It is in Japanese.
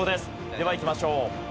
ではいきましょう。